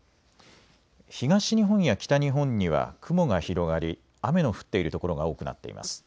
東日本や北日本には雲が広がり雨の降っている所が多くなっています。